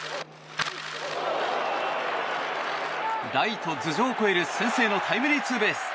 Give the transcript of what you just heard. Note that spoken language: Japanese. ライト頭上を越える先制のタイムリーツーベース。